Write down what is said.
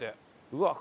うわっ！